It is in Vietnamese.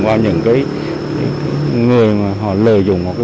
vào những người lợi dụng